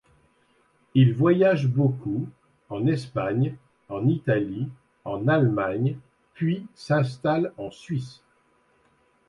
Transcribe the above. Il voyage beaucoup, en Espagne, en Italie, en Allemagne, puis s'installe en Suisse.